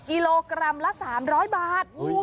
กิโลกรัมละ๓๐๐บาท